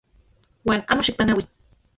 Uan amo xikpanaui.